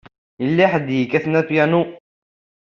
Yella ḥedd i yekkaten apyanu.